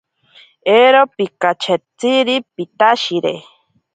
Ero pikachetziri pitashire.